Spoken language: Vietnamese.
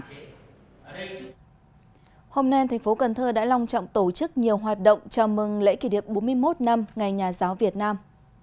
hôm nay thành phố cần thơ đã long trọng tổ chức nhiều hoạt động chào mừng lễ kỷ niệm bốn mươi một năm ngày nhà giáo việt nam